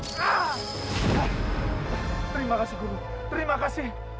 terima kasih guru terima kasih